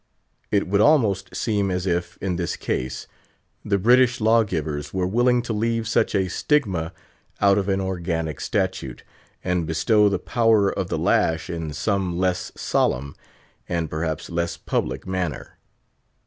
It would almost seem as if, in this case, the British lawgivers were willing to leave such a stigma out of an organic statute, and bestow the power of the lash in some less solemn, and perhaps less public manner.